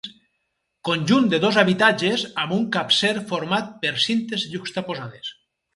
Conjunt de dos habitatges amb un capcer format per cintes juxtaposades.